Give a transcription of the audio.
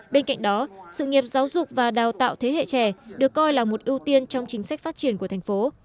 bên cạnh đó sự nghiệp giáo dục và đào tạo thế hệ trẻ được coi là một ưu tiên trong chính sách phát triển của thành phố